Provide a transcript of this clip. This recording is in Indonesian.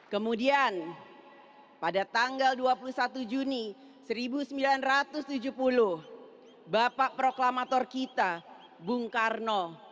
kemudian pada tanggal dua puluh satu juni seribu sembilan ratus tujuh puluh bapak proklamator kita bung karno